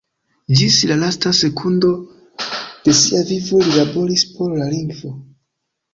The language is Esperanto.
Ĝis la lasta sekundo de sia vivo li laboris por la lingvo.